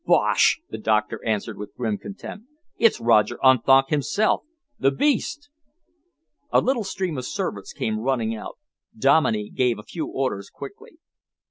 "Bosh!" the doctor answered, with grim contempt. "It's Roger Unthank himself. The beast!" A little stream of servants came running out. Dominey gave a few orders quickly.